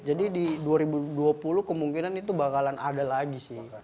jadi di dua ribu dua puluh kemungkinan itu bakalan ada lagi sih